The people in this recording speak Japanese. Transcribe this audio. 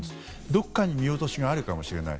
どこかに見落としがあるかもしれない。